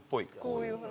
こういう鼻。